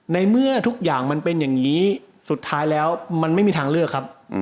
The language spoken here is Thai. ในเมื่อทุกอย่างมันเป็นอย่างนี้สุดท้ายแล้วมันไม่มีทางเลือกครับ